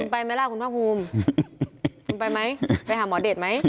คุณไปไหมล่ะคุณภาคภูมิคุณไปไหมไปหาหมอเดชไหม